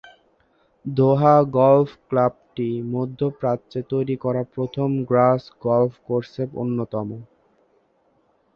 দোহা golf ক্লাবটি মধ্য প্রাচ্যে তৈরি করা প্রথম গ্রাস গলফ কোর্সে অন্যতম।